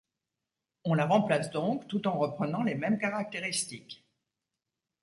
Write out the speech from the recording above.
On la remplace donc tout en reprenant les mêmes caractéristiques.